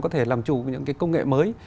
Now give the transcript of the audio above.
có thể làm chủ những công nghệ mới